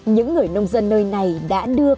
những người nông dân nơi này đã đưa